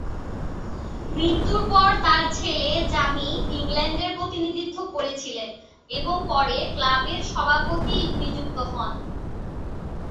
মৃত্যুর পর তার ছেলে জামি ইংল্যান্ডের প্রতিনিধিত্ব করেছিলেন এবং পরে ক্লাবের সভাপতি নিযুক্ত হন।